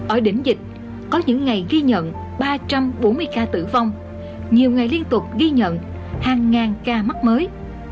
ở đỉnh dịch có những ngày ghi nhận ba trăm bốn mươi ca tử vong nhiều ngày liên tục ghi nhận hàng ngàn ca mắc mới